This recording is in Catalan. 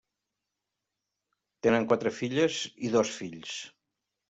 Tenen quatre filles i dos fills.